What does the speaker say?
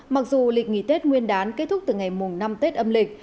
mặc dù lịch nghỉ tết nguyên đán kết thúc từ ngày mùng năm tết âm lịch